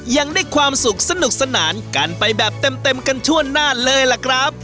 ยังได้ความสุขสนุกสนานกันไปแบบเต็มกันทั่วหน้าเลยล่ะครับ